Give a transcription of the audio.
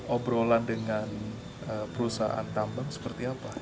obrolan dengan perusahaan tambang seperti apa